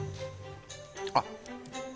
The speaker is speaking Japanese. あっ！